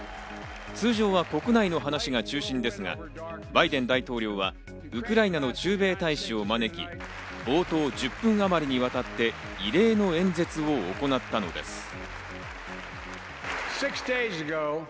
通常は国内の話が中心ですが、バイデン大統領はウクライナの駐米大使を招き、冒頭１０分あまりにわたって異例の演説を行ったのです。